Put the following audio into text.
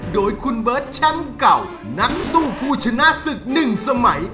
โดยคุณเบิร์ตแชมป์เก่านักสู้ผู้ชนะศึก๑สมัย